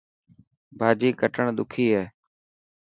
ڀاڄي ڪٽڻ ڏکي هي.